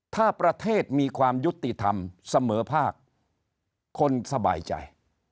ถ้าประเทศมีความยุติธรรมเสมอภาคคนสบายใจ